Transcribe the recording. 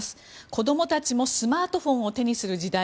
子どもたちもスマートフォンを手にする時代。